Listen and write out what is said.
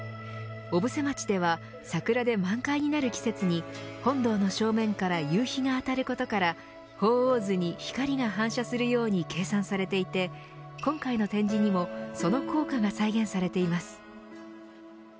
小布施町では桜で満開になる季節に本堂の正面から夕日が当たることから鳳凰図に光が反射するように計算されていて今回の展示にも、その効果が再現されています。